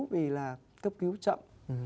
vì là cấp cứu chậm